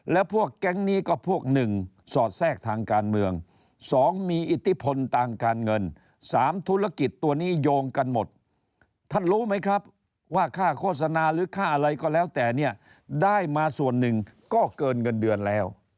แล้วพวกแก๊งนี้ก็พวก๑สอดแทรกทางการเมือง๒มีอิทธิพลทางการเงิน๓ธุรกิจตัวนี้โยงกันหมดท่านรู้ไหมครับว่าค่าโฆษณาหรือค่าอะไรก็แล้วแต่เนี่ยได้มาส่วนหนึ่งก็เกินเงินเดือนแล้ว